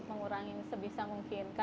mengurangi sebisa mungkin